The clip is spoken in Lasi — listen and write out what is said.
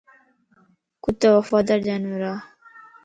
ڪتو وفادار جانور ا